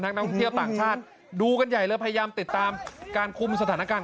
นักท่องเที่ยวต่างชาติดูกันใหญ่เลยพยายามติดตามการคุมสถานการณ์